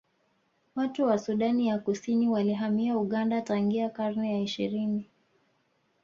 Watu wa Sudani ya Kusini walihamia Uganda tangia karne ya ishirini